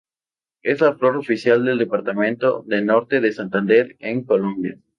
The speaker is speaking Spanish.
Es la flor oficial del departamento de Norte de Santander en Colombia.